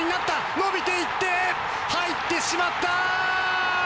伸びていって、入ってしまった！